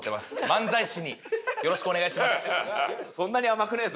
漫才師によろしくお願いします。